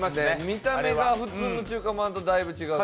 見た目が普通の中華まんとだいぶ違う。